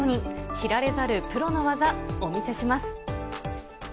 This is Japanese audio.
知られざるプロの技、お見せします。